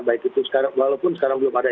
baik itu sekarang walaupun sekarang belum ada